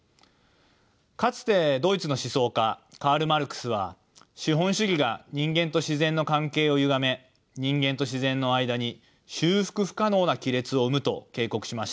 かつてドイツの思想家カール・マルクスは資本主義が人間と自然の関係をゆがめ人間と自然のあいだに修復不可能な亀裂を生むと警告しました。